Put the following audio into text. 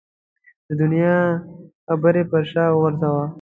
د دنیا خبرې پر شا وغورځوه.